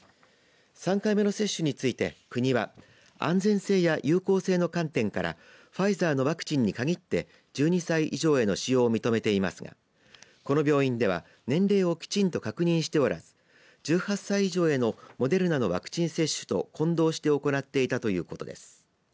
３回目の接種について、国は安全性や有効性の観点からファイザーのワクチンに限って１２歳以上への使用を認めていますがこの病院では年齢をきちんと確認しておらず１８歳以上へのモデルナのワクチン接種と混同して行っていたということです。